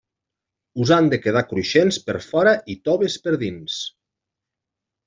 Us han de quedar cruixents per fora i toves per dins.